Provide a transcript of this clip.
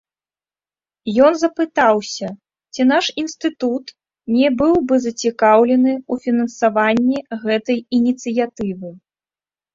Ён запытаўся, ці наш інстытут не быў бы зацікаўлены ў фінансаванні гэтай ініцыятывы.